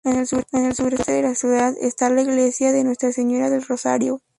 En el sureste de la ciudad esta la Iglesia de Nuestra Señora del Rosario.